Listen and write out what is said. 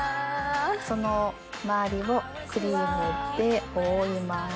その周りをクリームで覆います。